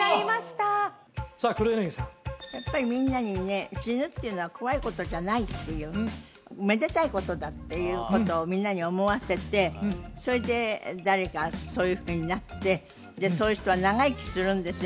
やっぱりみんなにね死ぬっていうのは怖いことじゃないっていうめでたいことだっていうことをみんなに思わせてそれで誰かそういうふうになってでそういう人は長生きするんですよ